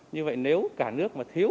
như vậy nếu cả nước mà thiếu